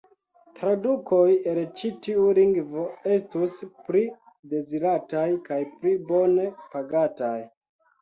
Tradukoj el ĉi tiu lingvo estus pli dezirataj kaj pli bone pagataj.